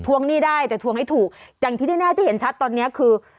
หนี้ได้แต่ทวงให้ถูกอย่างที่แน่ที่เห็นชัดตอนเนี้ยคือ